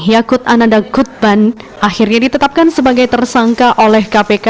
yakut ananda kutban akhirnya ditetapkan sebagai tersangka oleh kpk